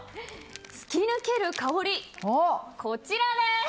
突き抜ける香り、こちらです。